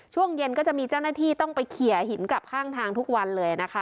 ช่วงเย็นก็จะมีเจ้าหน้าที่ต้องไปเขียหินกลับข้างทางทุกวันเลยนะคะ